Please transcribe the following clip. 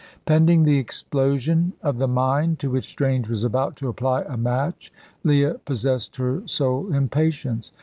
Pending the explosion of the mine to which Strange was about to apply a match, Leah possessed her soul in patience.